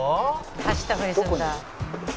「走ったふりするんだ」